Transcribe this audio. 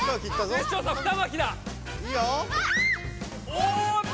おっと！